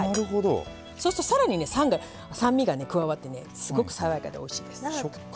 そうするとさらに酸味が加わってすごく爽やかでおいしいです。